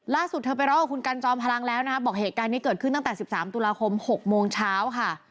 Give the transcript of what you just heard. เธอไปร้องกับคุณกันจอมพลังแล้วนะคะบอกเหตุการณ์นี้เกิดขึ้นตั้งแต่๑๓ตุลาคม๖โมงเช้าค่ะ